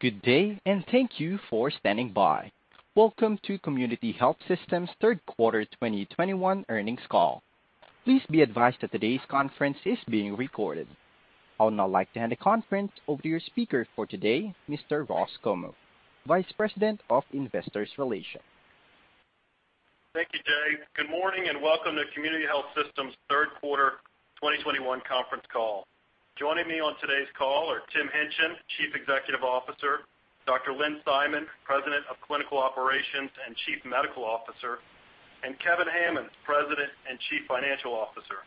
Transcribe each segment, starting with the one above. Good day, and thank you for standing by. Welcome to Community Health Systems third quarter 2021 earnings call. Please be advised that today's conference is being recorded. I would now like to hand the conference over to your speaker for today, Mr. Ross Comeaux, Vice President of Investor Relations. Thank you, Jay. Good morning, and welcome to Community Health Systems third quarter 2021 conference call. Joining me on today's call are Tim Hingtgen, Chief Executive Officer, Dr. Lynn Simon, President of Clinical Operations and Chief Medical Officer, and Kevin Hammons, President and Chief Financial Officer.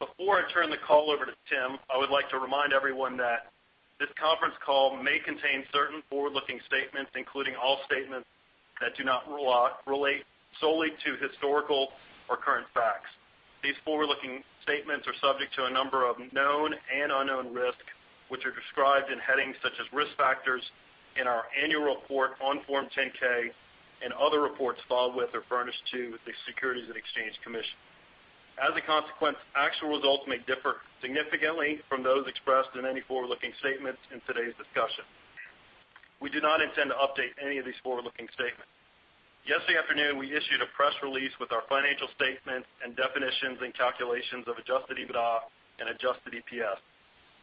Before I turn the call over to Tim, I would like to remind everyone that this conference call may contain certain forward-looking statements, including all statements that do not relate solely to historical or current facts. These forward-looking statements are subject to a number of known and unknown risks, which are described in headings such as Risk Factors in our annual report on Form 10-K and other reports filed with or furnished to the Securities and Exchange Commission. As a consequence, actual results may differ significantly from those expressed in any forward-looking statements in today's discussion. We do not intend to update any of these forward-looking statements. Yesterday afternoon, we issued a press release with our financial statements and definitions and calculations of adjusted EBITDA and adjusted EPS.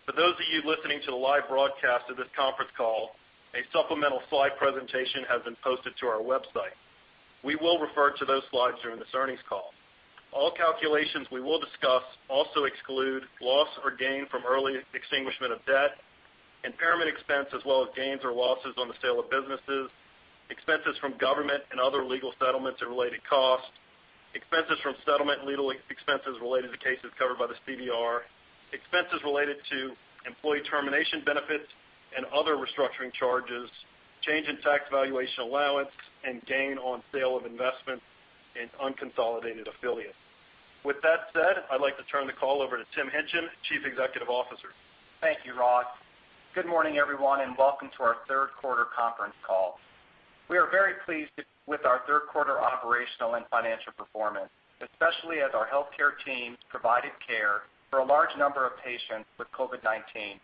For those of you listening to the live broadcast of this conference call, a supplemental slide presentation has been posted to our website. We will refer to those slides during this earnings call. All calculations we will discuss also exclude loss or gain from early extinguishment of debt, impairment expense as well as gains or losses on the sale of businesses, expenses from government and other legal settlements and related costs, expenses from settlement and legal expenses related to cases covered by the CVR, expenses related to employee termination benefits and other restructuring charges, change in tax valuation allowance, and gain on sale of investment in unconsolidated affiliates. With that said, I'd like to turn the call over to Tim Hingtgen, Chief Executive Officer. Thank you, Ross. Good morning, everyone, and welcome to our third quarter conference call. We are very pleased with our third quarter operational and financial performance, especially as our healthcare teams provided care for a large number of patients with COVID-19.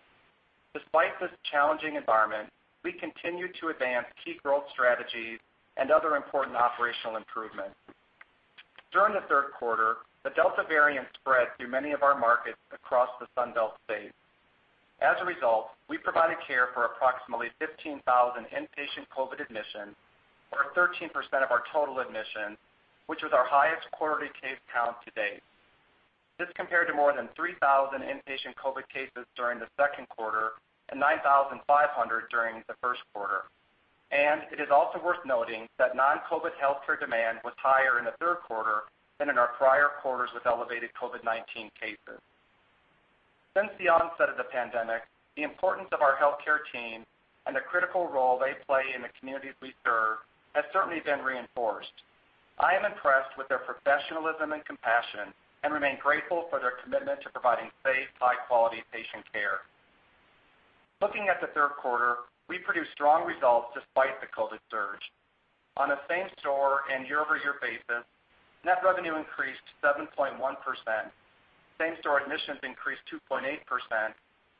Despite this challenging environment, we continued to advance key growth strategies and other important operational improvements. During the third quarter, the Delta variant spread through many of our markets across the Sun Belt states. As a result, we provided care for approximately 15,000 inpatient COVID admissions or 13% of our total admissions, which was our highest quarterly case count to date. This compared to more than 3,000 inpatient COVID cases during the second quarter and 9,500 during the first quarter. It is also worth noting that non-COVID healthcare demand was higher in the third quarter than in our prior quarters with elevated COVID-19 cases. Since the onset of the pandemic, the importance of our healthcare team and the critical role they play in the communities we serve has certainly been reinforced. I am impressed with their professionalism and compassion and remain grateful for their commitment to providing safe, high-quality patient care. Looking at the third quarter, we produced strong results despite the COVID surge. On a same-store and year-over-year basis, net revenue increased 7.1%. Same-store admissions increased 2.8%,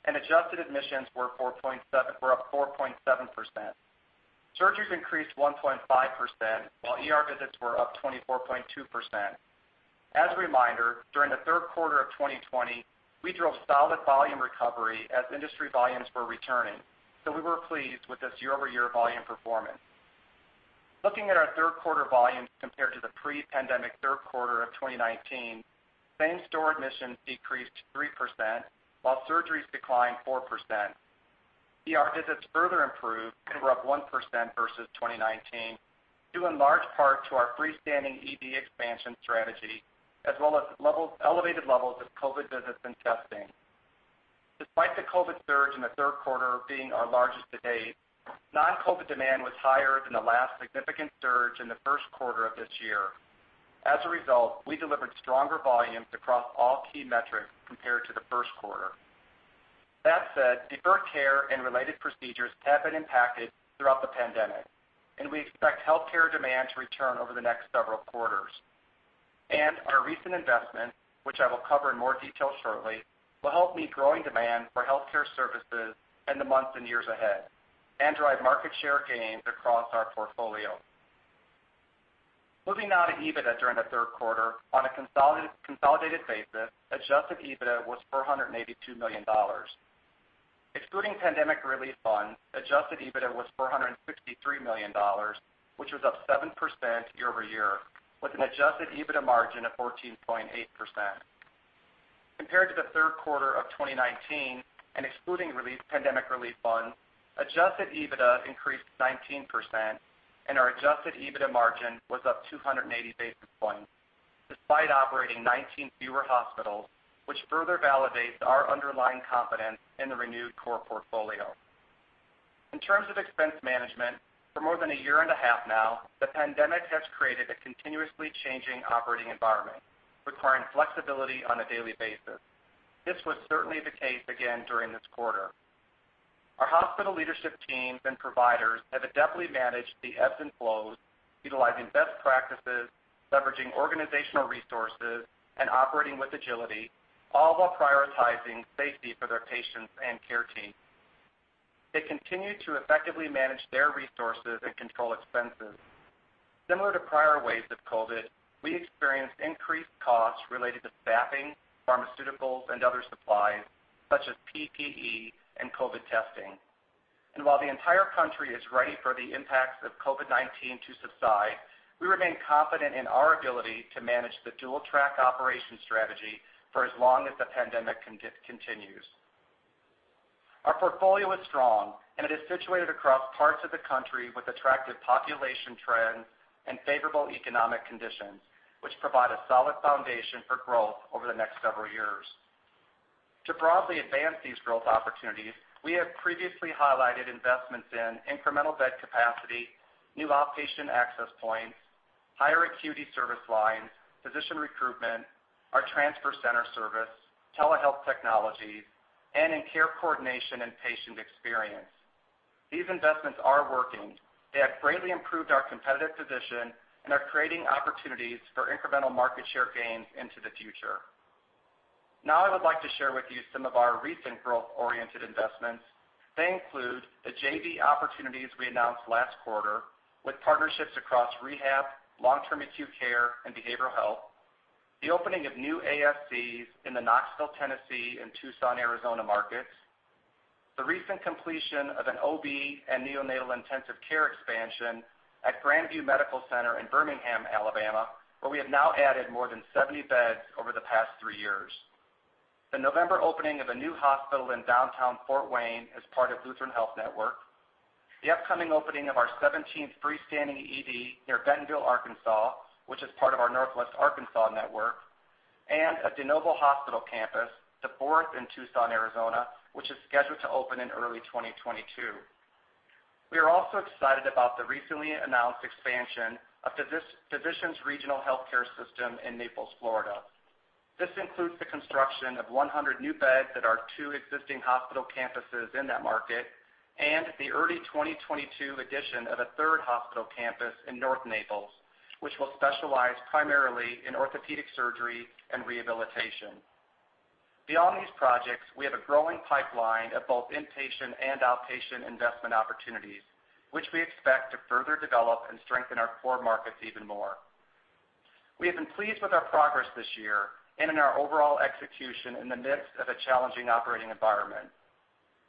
and adjusted admissions were up 4.7%. Surgeries increased 1.5%, while ER visits were up 24.2%. As a reminder, during the third quarter of 2020, we drove solid volume recovery as industry volumes were returning, so we were pleased with this year-over-year volume performance. Looking at our third quarter volumes compared to the pre-pandemic third quarter of 2019, same-store admissions decreased 3% while surgeries declined 4%. ER visits further improved and were up 1% versus 2019, due in large part to our freestanding ED expansion strategy as well as elevated levels of COVID visits and testing. Despite the COVID surge in the third quarter being our largest to date, non-COVID demand was higher than the last significant surge in the first quarter of this year. As a result, we delivered stronger volumes across all key metrics compared to the first quarter. That said, deferred care and related procedures have been impacted throughout the pandemic, and we expect healthcare demand to return over the next several quarters. Our recent investment, which I will cover in more detail shortly, will help meet growing demand for healthcare services in the months and years ahead and drive market share gains across our portfolio. Moving now to EBITDA during the third quarter. On a consolidated basis, adjusted EBITDA was $482 million. Excluding pandemic relief funds, adjusted EBITDA was $463 million, which was up 7% year-over-year, with an adjusted EBITDA margin of 14.8%. Compared to the third quarter of 2019 and excluding relief, pandemic relief funds, adjusted EBITDA increased 19% and our adjusted EBITDA margin was up 280 basis points despite operating 19 fewer hospitals, which further validates our underlying confidence in the renewed core portfolio. In terms of expense management, for more than a year and a half now, the pandemic has created a continuously changing operating environment requiring flexibility on a daily basis. This was certainly the case again during this quarter. Our hospital leadership teams and providers have adeptly managed the ebbs and flows, utilizing best practices, leveraging organizational resources, and operating with agility, all while prioritizing safety for their patients and care teams. They continue to effectively manage their resources and control expenses. Similar to prior waves of COVID, we experienced increased costs related to staffing, pharmaceuticals, and other supplies, such as PPE and COVID testing. While the entire country is ready for the impacts of COVID-19 to subside, we remain confident in our ability to manage the dual-track operation strategy for as long as the pandemic continues. Our portfolio is strong, and it is situated across parts of the country with attractive population trends and favorable economic conditions, which provide a solid foundation for growth over the next several years. To broadly advance these growth opportunities, we have previously highlighted investments in incremental bed capacity, new outpatient access points, higher acuity service lines, physician recruitment, our transfer center service, telehealth technologies, and in care coordination and patient experience. These investments are working. They have greatly improved our competitive position and are creating opportunities for incremental market share gains into the future. Now I would like to share with you some of our recent growth-oriented investments. They include the JV opportunities we announced last quarter with partnerships across rehab, long-term acute care, and behavioral health, the opening of new ASCs in the Knoxville, Tennessee, and Tucson, Arizona markets, the recent completion of an OB and neonatal intensive care expansion at Grandview Medical Center in Birmingham, Alabama, where we have now added more than 70 beds over the past 3 years, the November opening of a new hospital in Downtown Fort Wayne as part of Lutheran Health Network, the upcoming opening of our 17th freestanding ED near Bentonville, Arkansas, which is part of our Northwest Arkansas network, and a de novo hospital campus, the fourth in Tucson, Arizona, which is scheduled to open in early 2022. We are also excited about the recently announced expansion of Physicians Regional Healthcare System in Naples, Florida. This includes the construction of 100 new beds at our two existing hospital campuses in that market and the early 2022 addition of a third hospital campus in North Naples, which will specialize primarily in orthopedic surgery and rehabilitation. Beyond these projects, we have a growing pipeline of both inpatient and outpatient investment opportunities, which we expect to further develop and strengthen our core markets even more. We have been pleased with our progress this year and in our overall execution in the midst of a challenging operating environment.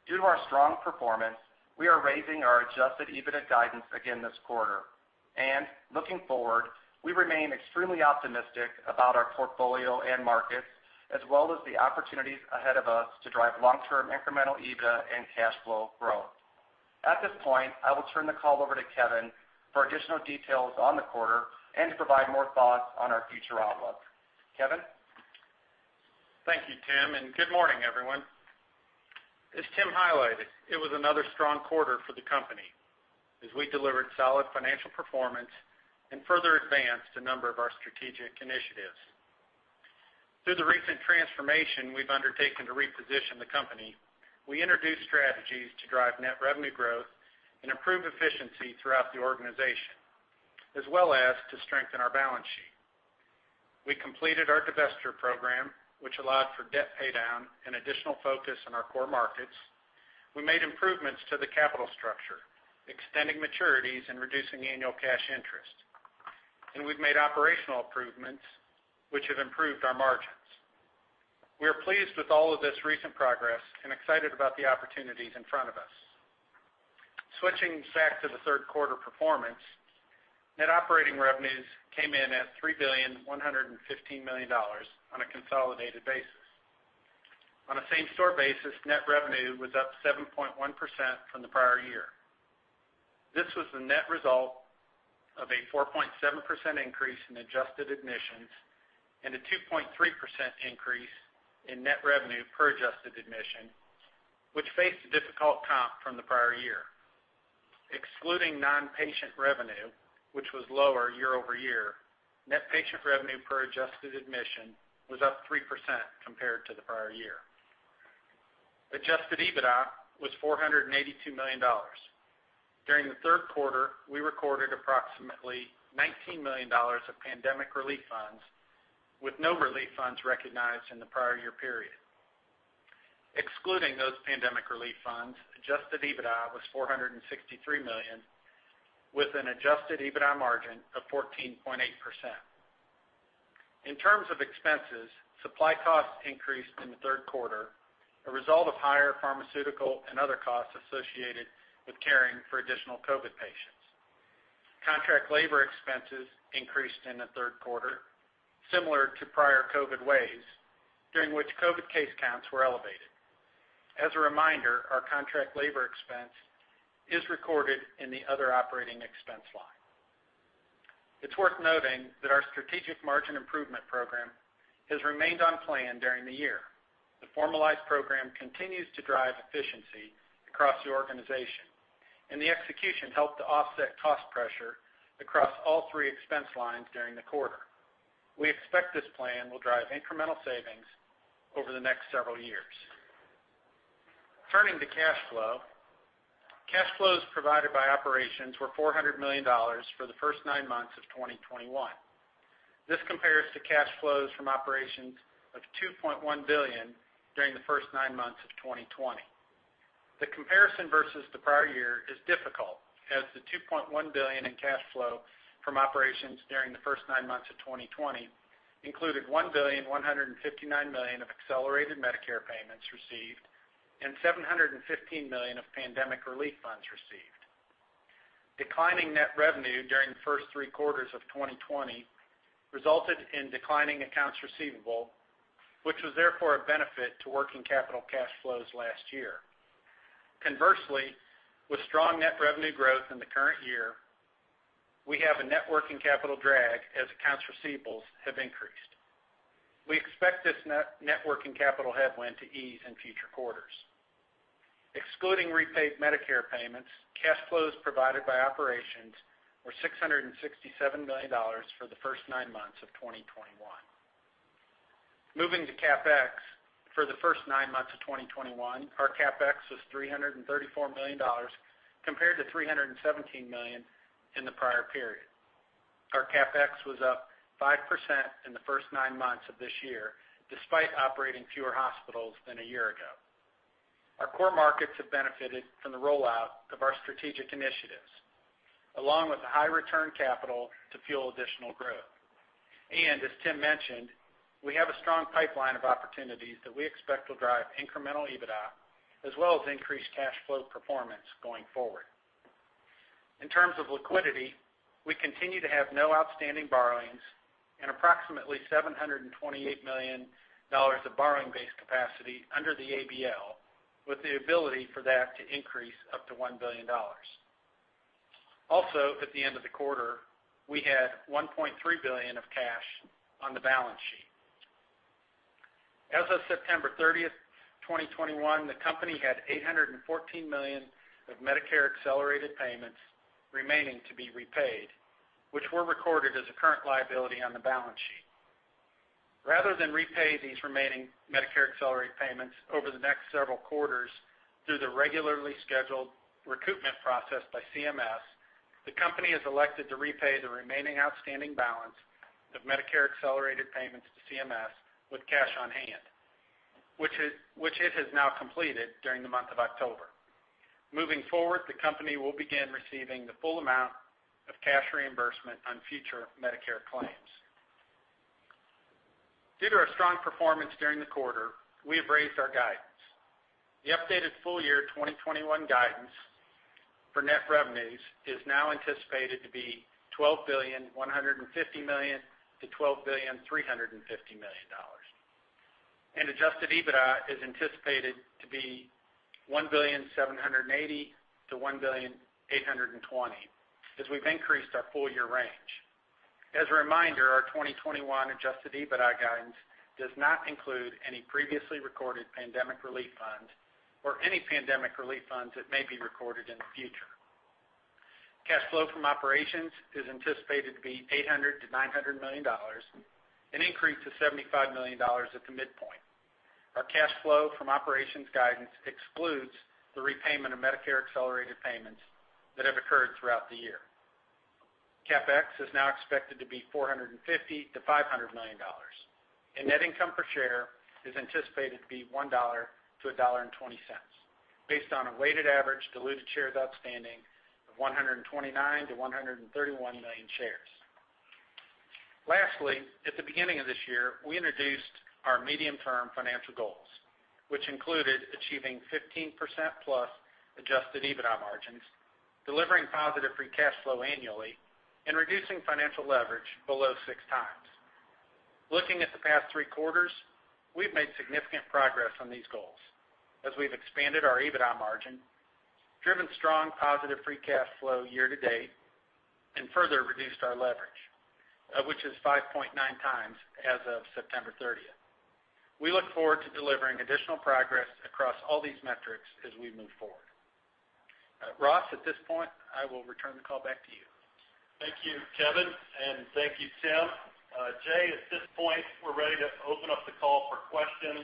Due to our strong performance, we are raising our adjusted EBITDA guidance again this quarter. Looking forward, we remain extremely optimistic about our portfolio and markets, as well as the opportunities ahead of us to drive long-term incremental EBITDA and cash flow growth. At this point, I will turn the call over to Kevin for additional details on the quarter and to provide more thoughts on our future outlook. Kevin? Thank you, Tim, and good morning, everyone. As Tim highlighted, it was another strong quarter for the company as we delivered solid financial performance and further advanced a number of our strategic initiatives. Through the recent transformation we've undertaken to reposition the company, we introduced strategies to drive net revenue growth and improve efficiency throughout the organization, as well as to strengthen our balance sheet. We completed our divestiture program, which allowed for debt pay down and additional focus on our core markets. We made improvements to the capital structure, extending maturities and reducing annual cash interest. We've made operational improvements which have improved our margins. We are pleased with all of this recent progress and excited about the opportunities in front of us. Switching back to the third quarter performance, net operating revenues came in at $3.115 billion on a consolidated basis. On a same-store basis, net revenue was up 7.1% from the prior year. This was the net result of a 4.7% increase in adjusted admissions and a 2.3% increase in net revenue per adjusted admission, which faced a difficult comp from the prior year. Excluding non-patient revenue, which was lower year-over-year, net patient revenue per adjusted admission was up 3% compared to the prior year. Adjusted EBITDA was $482 million. During the third quarter, we recorded approximately $19 million of pandemic relief funds, with no relief funds recognized in the prior year period. Excluding those pandemic relief funds, adjusted EBITDA was $463 million, with an adjusted EBITDA margin of 14.8%. In terms of expenses, supply costs increased in the third quarter, a result of higher pharmaceutical and other costs associated with caring for additional COVID patients. Contract labor expenses increased in the third quarter, similar to prior COVID waves during which COVID case counts were elevated. As a reminder, our contract labor expense is recorded in the other operating expense line. It's worth noting that our strategic margin improvement program has remained on plan during the year. The formalized program continues to drive efficiency across the organization, and the execution helped to offset cost pressure across all three expense lines during the quarter. We expect this plan will drive incremental savings over the next several years. Turning to cash flow. Cash flows provided by operations were $400 million for the first nine months of 2021. This compares to cash flows from operations of $2.1 billion during the first nine months of 2020. The comparison versus the prior year is difficult, as the $2.1 billion in cash flow from operations during the first nine months of 2020 included $1.159 billion of accelerated Medicare payments received and $715 million of pandemic relief funds received. Declining net revenue during the first three quarters of 2020 resulted in declining accounts receivable, which was therefore a benefit to working capital cash flows last year. Conversely, with strong net revenue growth in the current year, we have a net working capital drag as accounts receivables have increased. We expect this net working capital headwind to ease in future quarters. Excluding repaid Medicare payments, cash flows provided by operations were $667 million for the first nine months of 2021. Moving to CapEx. For the first nine months of 2021, our CapEx was $334 million compared to $317 million in the prior period. Our CapEx was up 5% in the first nine months of this year, despite operating fewer hospitals than a year ago. Our core markets have benefited from the rollout of our strategic initiatives, along with the high return capital to fuel additional growth. As Tim mentioned, we have a strong pipeline of opportunities that we expect will drive incremental EBITDA as well as increased cash flow performance going forward. In terms of liquidity, we continue to have no outstanding borrowings and approximately $728 million of borrowing-based capacity under the ABL, with the ability for that to increase up to $1 billion. Also, at the end of the quarter, we had $1.3 billion of cash on the balance sheet. As of September 30, 2021, the company had $814 million of Medicare accelerated payments remaining to be repaid, which were recorded as a current liability on the balance sheet. Rather than repay these remaining Medicare accelerated payments over the next several quarters through the regularly scheduled recoupment process by CMS, the company has elected to repay the remaining outstanding balance of Medicare accelerated payments to CMS with cash on hand, which it has now completed during the month of October. Moving forward, the company will begin receiving the full amount of cash reimbursement on future Medicare claims. Due to our strong performance during the quarter, we have raised our guidance. The updated full-year 2021 guidance for net revenues is now anticipated to be $12.15 billion-$12.35 billion. Adjusted EBITDA is anticipated to be $1.78 billion-$1.82 billion as we've increased our full-year range. As a reminder, our 2021 adjusted EBITDA guidance does not include any previously recorded pandemic relief funds or any pandemic relief funds that may be recorded in the future. Cash flow from operations is anticipated to be $800 million-$900 million, an increase of $75 million at the midpoint. Our cash flow from operations guidance excludes the repayment of Medicare accelerated payments that have occurred throughout the year. CapEx is now expected to be $450 million-$500 million. Net income per share is anticipated to be $1-$1.20, based on a weighted average diluted shares outstanding of 129 million-131 million shares. Lastly, at the beginning of this year, we introduced our medium-term financial goals, which included achieving 15%+ adjusted EBITDA margins, delivering positive free cash flow annually, and reducing financial leverage below 6x. Looking at the past three quarters, we've made significant progress on these goals as we've expanded our EBITDA margin, driven strong positive free cash flow year to date, and further reduced our leverage, which is 5.9x as of September 30. We look forward to delivering additional progress across all these metrics as we move forward. Ross, at this point, I will return the call back to you. Thank you, Kevin, and thank you, Tim. Jay, at this point, we're ready to open up the call for questions.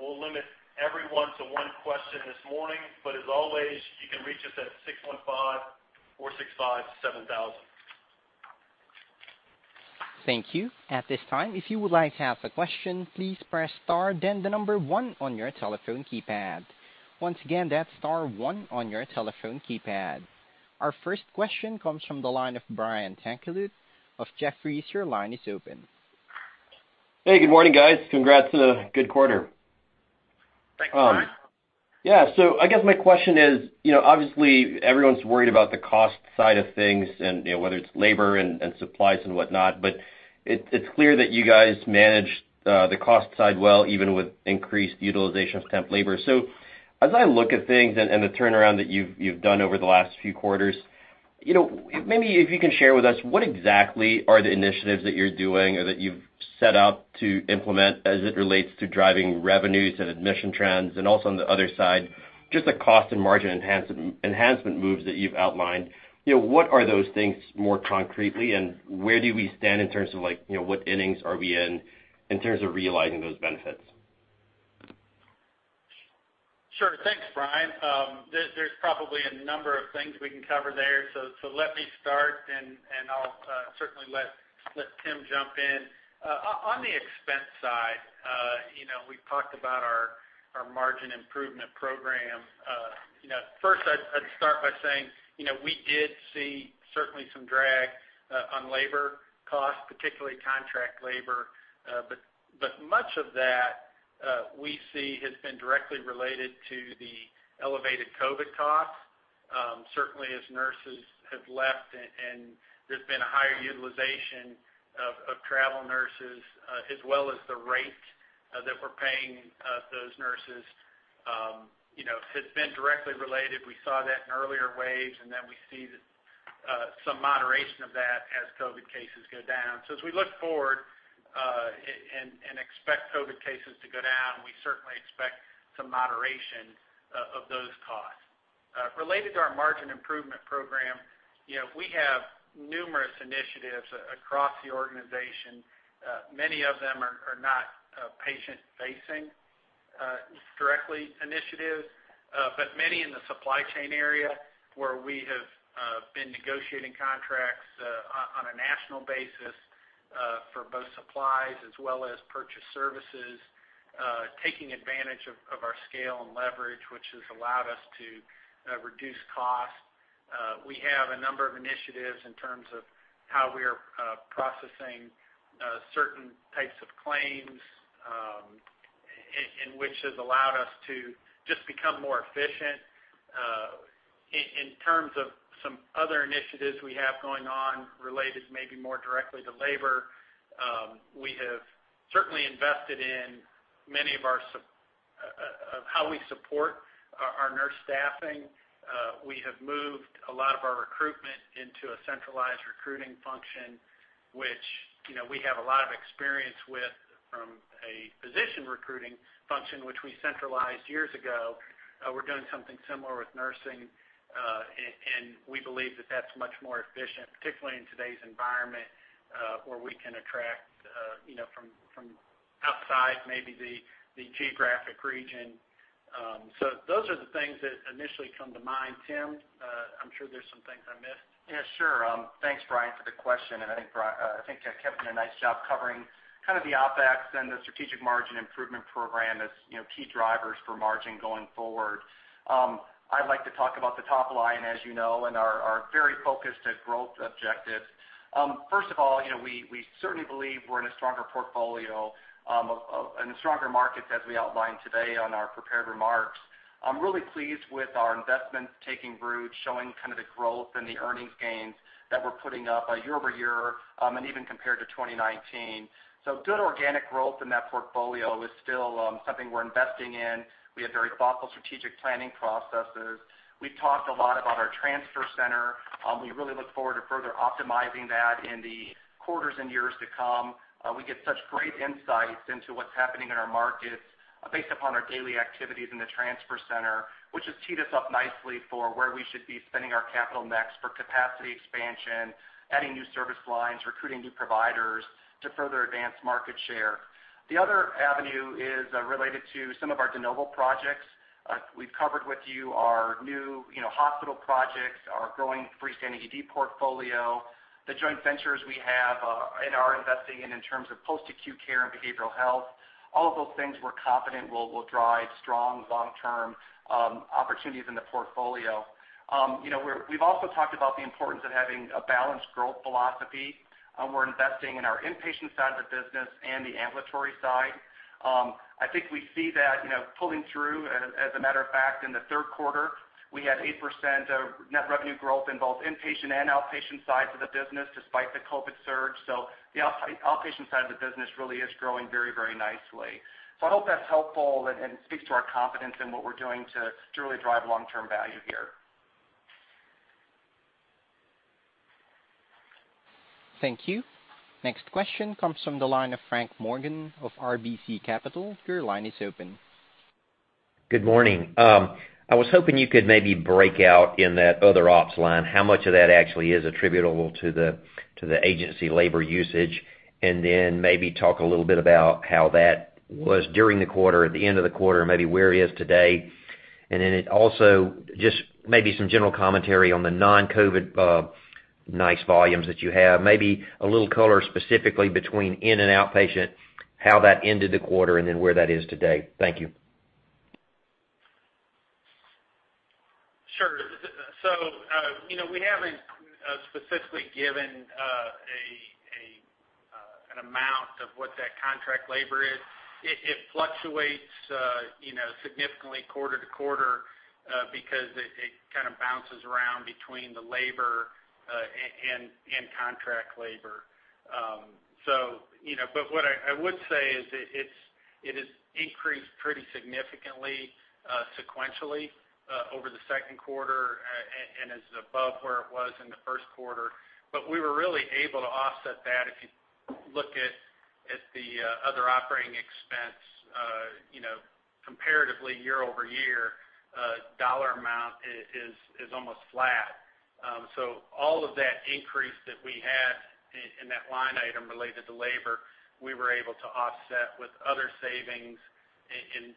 We'll limit everyone to one question this morning, but as always, you can reach us at 615-465-7000. Thank you. At this time, if you would like to ask a question, please press star then the number one on your telephone keypad. Once again, that's star one on your telephone keypad. Our first question comes from the line of Brian Tanquilut of Jefferies. Your line is open. Hey, good morning, guys. Congrats on a good quarter. Thanks, Brian. Yeah, so my question is obviously, everyone's worried about the cost side of things and whether it's labor and supplies and whatnot. But it's clear that you guys managed the cost side well even with increased utilization of temp labor. As I look at things and the turnaround that you've done over the last few quarters maybe if you can share with us what exactly are the initiatives that you're doing or that you've set out to implement as it relates to driving revenues and admission trends, and also on the other side, just the cost and margin enhancement moves that you've outlined. What are those things more concretely, and where do we stand in terms of like what innings are we in terms of realizing those benefits? Sure. Thanks, Brian. There's probably a number of things we can cover there. Let me start, and I'll certainly let Tim jump in. On the expense side we've talked about our margin improvement program. First I'd start by saying we did see certainly some drag on labor costs, particularly contract labor, but much of that we see has been directly related to the elevated COVID costs. Certainly as nurses have left and there's been a higher utilization of travel nurses, as well as the rate that we're paying those nurses. It's been directly related. We saw that in earlier waves, and then we see some moderation of that as COVID cases go down. As we look forward and expect COVID cases to go down, we certainly expect some moderation of those costs. Related to our margin improvement program we have numerous initiatives across the organization. Many of them are not patient-facing directly initiatives, but many in the supply chain area where we have been negotiating contracts on a national basis for both supplies as well as purchase services, taking advantage of our scale and leverage, which has allowed us to reduce costs. We have a number of initiatives in terms of how we are processing certain types of claims, and which has allowed us to just become more efficient. In terms of some other initiatives we have going on related maybe more directly to labor, we have certainly invested in many of how we support our nurse staffing. We have moved a lot of our recruitment into a centralized recruiting function, which we have a lot of experience with from a physician recruiting function which we centralized years ago. We're doing something similar with nursing, and we believe that that's much more efficient, particularly in today's environment, where we can attract from outside maybe the geographic region. Those are the things that initially come to mind. Tim, I'm sure there's some things I missed. Yeah, sure. Thanks, Brian, for the question, and I think Kevin did a nice job covering kind of the OpEx and the strategic margin improvement program as key drivers for margin going forward. I'd like to talk about the top line, as you know, and our very focused growth objectives. First of all we certainly believe we're in a stronger portfolio and a stronger market as we outlined today on our prepared remarks. I'm really pleased with our investments taking root, showing kind of the growth and the earnings gains that we're putting up year-over-year and even compared to 2019. Good organic growth in that portfolio is still something we're investing in. We have very thoughtful strategic planning processes. We've talked a lot about our transfer center. We really look forward to further optimizing that in the quarters and years to come. We get such great insights into what's happening in our markets based upon our daily activities in the transfer center, which has teed us up nicely for where we should be spending our capital next for capacity expansion, adding new service lines, recruiting new providers to further advance market share. The other avenue is related to some of our de novo projects. We've covered with you our new hospital projects, our growing freestanding ED portfolio, the joint ventures we have, and are investing in terms of post-acute care and behavioral health. All of those things we're confident will drive strong long-term opportunities in the portfolio. We've also talked about the importance of having a balanced growth philosophy. We're investing in our inpatient side of the business and the ambulatory side. I think we see that pulling through. As a matter of fact, in the third quarter, we had 8% of net revenue growth in both inpatient and outpatient sides of the business, despite the COVID surge. The outpatient side of the business really is growing very, very nicely. I hope that's helpful and speaks to our confidence in what we're doing to really drive long-term value here. Thank you. Next question comes from the line of Frank Morgan of RBC Capital. Your line is open. Good morning. I was hoping you could maybe break out in that other ops line how much of that actually is attributable to the agency labor usage, and then maybe talk a little bit about how that was during the quarter, at the end of the quarter, maybe where it is today. It also, just maybe some general commentary on the non-COVID nice volumes that you have, maybe a little color specifically between in and outpatient, how that ended the quarter, and then where that is today. Thank you. Sure. We haven't specifically given an amount of what that contract labor is. It fluctuates significantly quarter-to-quarter, because it kind of bounces around between the labor and contract labor, but what I would say is that it has increased pretty significantly sequentially over the second quarter and is above where it was in the first quarter. We were really able to offset that. If you look at the other operating expense comparatively year-over-year, dollar amount is almost flat. All of that increase that we had in that line item related to labor, we were able to offset with other savings in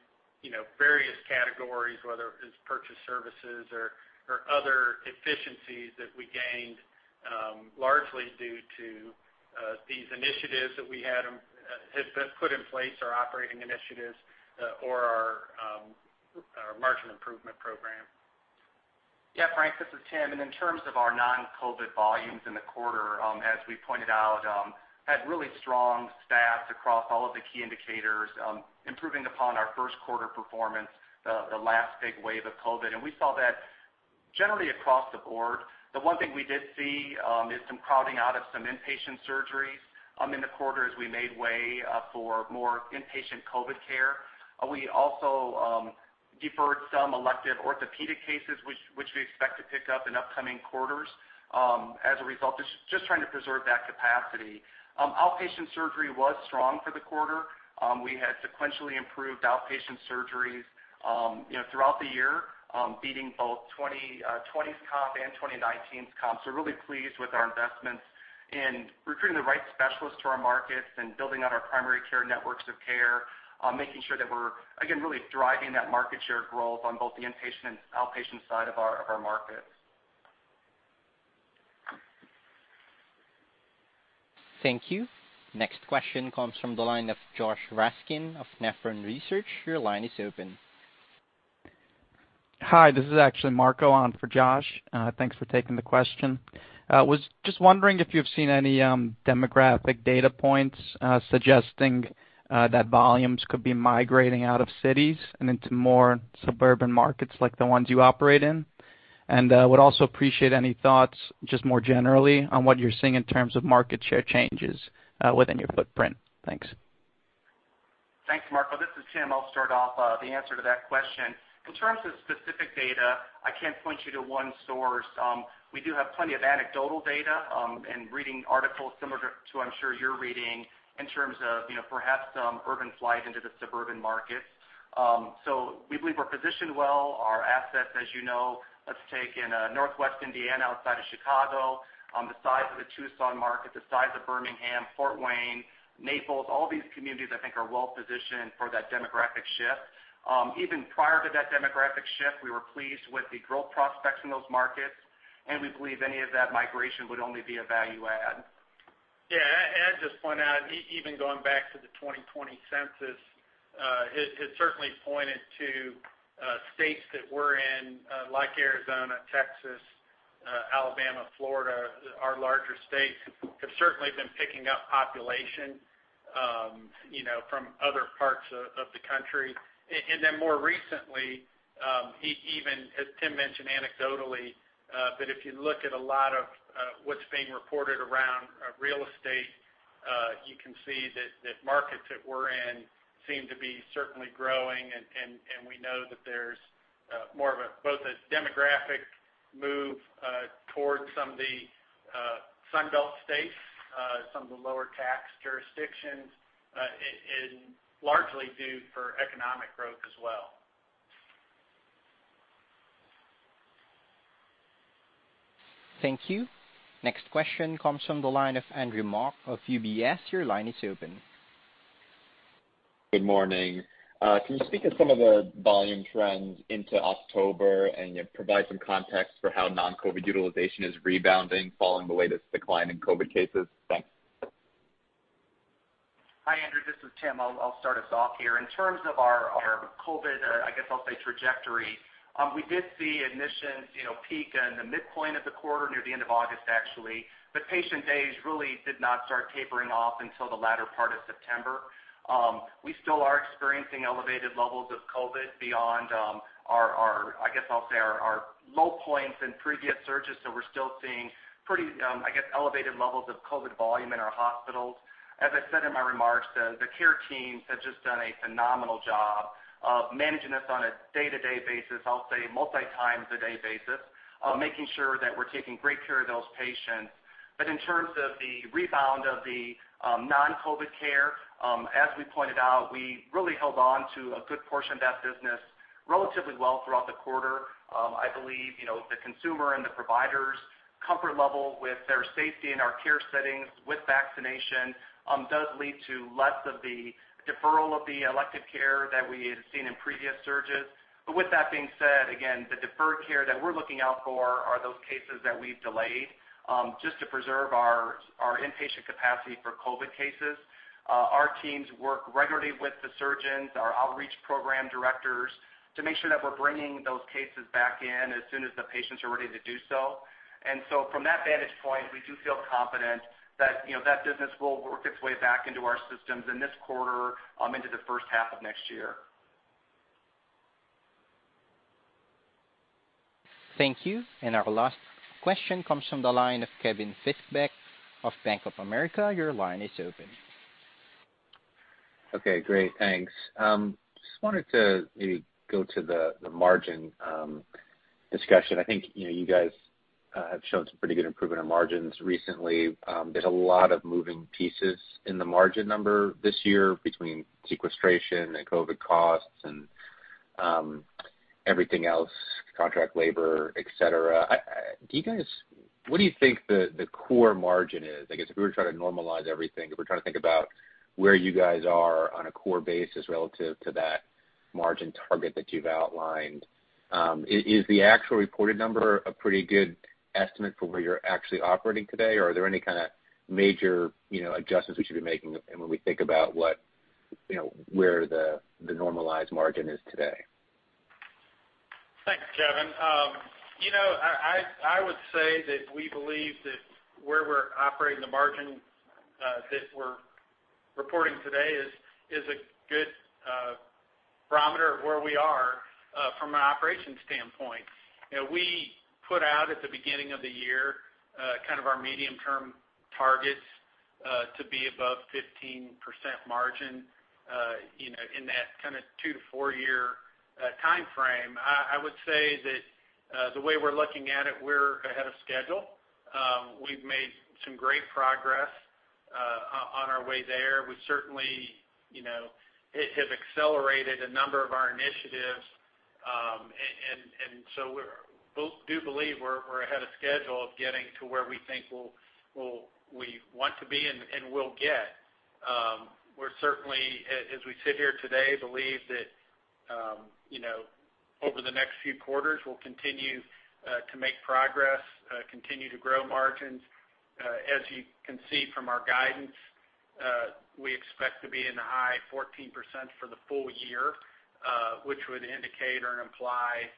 various categories, whether it's purchased services or other efficiencies that we gained, largely due to these initiatives that we had put in place, our operating initiatives, or our margin improvement program. Yeah, Frank, this is Tim. In terms of our non-COVID volumes in the quarter, as we pointed out, had really strong stats across all of the key indicators, improving upon our first quarter performance, the last big wave of COVID. We saw that generally across the board. The one thing we did see is some crowding out of some inpatient surgeries in the quarter as we made way for more inpatient COVID care. We also deferred some elective orthopedic cases, which we expect to pick up in upcoming quarters as a result of just trying to preserve that capacity. Outpatient surgery was strong for the quarter. We had sequentially improved outpatient surgeries, you know, throughout the year, beating both 2020's comp and 2019's comp. Really pleased with our investments in recruiting the right specialists to our markets and building out our primary care networks of care, making sure that we're, again, really driving that market share growth on both the inpatient and outpatient side of our markets. Thank you. Next question comes from the line of Josh Raskin of Nephron Research. Your line is open. Hi, this is actually Marco on for Josh. Thanks for taking the question. I was just wondering if you've seen any demographic data points suggesting that volumes could be migrating out of cities and into more suburban markets like the ones you operate in? Would also appreciate any thoughts just more generally on what you're seeing in terms of market share changes within your footprint. Thanks. Thanks, Marco. This is Tim. I'll start off the answer to that question. In terms of specific data, I can't point you to one source. We do have plenty of anecdotal data, and reading articles similar to I'm sure you're reading in terms of, you know, perhaps some urban flight into the suburban markets. We believe we're positioned well. Our assets, as you know, let's take in Northwest Indiana outside of Chicago, the size of the Tucson market, the size of Birmingham, Fort Wayne, Naples, all these communities I think are well positioned for that demographic shift. Even prior to that demographic shift, we were pleased with the growth prospects in those markets, and we believe any of that migration would only be a value add. Yeah. I'd just point out, even going back to the 2020 census, it certainly pointed to states that we're in, like Arizona, Texas, Alabama, Florida. Our larger states have certainly been picking up population, you know, from other parts of the country. Then more recently, even as Tim mentioned anecdotally, that if you look at a lot of what's being reported around real estate, you can see that markets that we're in seem to be certainly growing. We know that there's more of both a demographic move towards some of the Sun Belt states, some of the lower tax jurisdictions, and largely due to economic growth as well. Thank you. Next question comes from the line of Andrew Mok of UBS. Your line is open. Good morning. Can you speak of some of the volume trends into October and provide some context for how non-COVID utilization is rebounding following the latest decline in COVID cases? Thanks. Hi, Andrew. This is Tim. I'll start us off here. In terms of our COVID, I'll say trajectory, we did see admissions, you know, peak in the midpoint of the quarter, near the end of August, actually. Patient days really did not start tapering off until the latter part of September. We still are experiencing elevated levels of COVID beyond our, I'll say our low points in previous surges. We're still seeing pretty elevated levels of COVID volume in our hospitals. As I said in my remarks, the care teams have just done a phenomenal job of managing this on a day-to-day basis. I'll say multiple times a day basis, making sure that we're taking great care of those patients. In terms of the rebound of the non-COVID care, as we pointed out, we really held on to a good portion of that business relatively well throughout the quarter. I believe the consumer and the provider's comfort level with their safety in our care settings with vaccination does lead to less of the deferral of the elective care that we had seen in previous surges. With that being said, again, the deferred care that we're looking out for are those cases that we've delayed just to preserve our inpatient capacity for COVID cases. Our teams work regularly with the surgeons, our outreach program directors to make sure that we're bringing those cases back in as soon as the patients are ready to do so. From that vantage point, we do feel confident that, you know, that business will work its way back into our systems in this quarter, into the first half of next year. Thank you. Our last question comes from the line of Kevin Fischbeck of Bank of America. Your line is open. Okay, great. Thanks. Just wanted to maybe go to the margin discussion. You guys have shown some pretty good improvement on margins recently. There's a lot of moving pieces in the margin number this year between sequestration and COVID costs and everything else, contract labor, et cetera. What do you think the core margin is? If we were trying to normalize everything, if we're trying to think about where you guys are on a core basis relative to that margin target that you've outlined, is the actual reported number a pretty good estimate for where you're actually operating today? Or are there any kinda major adjustments we should be making and when we think about what, you know, where the normalized margin is today? Thanks, Kevin.I would say that we believe that where we're operating the margin that we're reporting today is a good barometer of where we are from an operations standpoint. We put out at the beginning of the year kind of our medium-term targets to be above 15% margin you know in that kinda 2-4 year timeframe. I would say that the way we're looking at it, we're ahead of schedule. We've made some great progress on our way there. We certainly, It has accelerated a number of our initiatives, and so we do believe we're ahead of schedule of getting to where we think we'll want to be and will get. We're certainly, as we sit here today, believe that over the next few quarters we'll continue to make progress, continue to grow margins. As you can see from our guidance, we expect to be in the high 14% for the full year, which would indicate or imply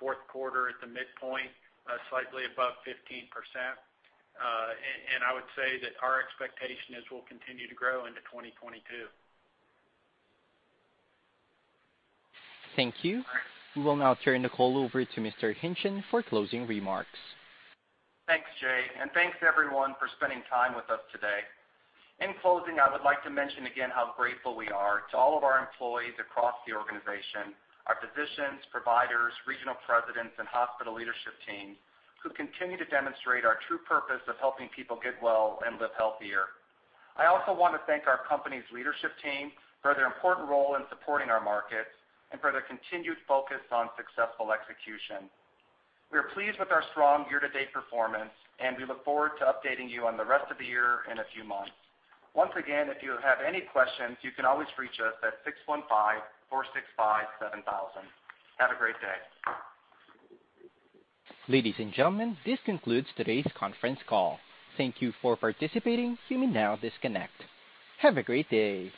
fourth quarter at the midpoint, slightly above 15%. I would say that our expectation is we'll continue to grow into 2022. Thank you. We will now turn the call over to Mr. Hingtgen for closing remarks. Thanks, Jay, and thanks everyone for spending time with us today. In closing, I would like to mention again how grateful we are to all of our employees across the organization, our physicians, providers, regional presidents and hospital leadership team, who continue to demonstrate our true purpose of helping people get well and live healthier. I also wanna thank our company's leadership team for their important role in supporting our markets and for their continued focus on successful execution. We are pleased with our strong year-to-date performance, and we look forward to updating you on the rest of the year in a few months. Once again, if you have any questions, you can always reach us at 615-465-7000. Have a great day. Ladies and gentlemen, this concludes today's conference call. Thank you for participating. You may now disconnect. Have a great day.